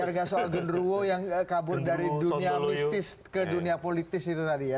harga soal genruwo yang kabur dari dunia mistis ke dunia politis itu tadi ya